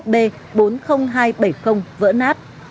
năm mươi một b bốn mươi nghìn hai trăm bảy mươi vỡ nát